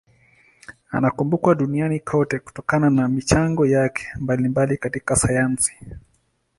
Anakumbukwa duniani kote kutokana na michango yake mbalimbali katika sayansi.